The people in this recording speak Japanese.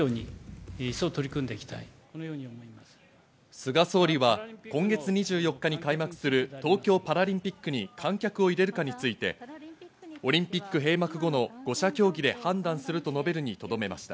菅総理は今月２４日に開幕する東京パラリンピックに観客を入れるかについて、オリンピック閉幕後の５者協議で判断すると述べるにとどめました。